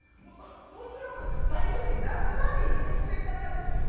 もちろん、最初に何ラリーかしてからですよ。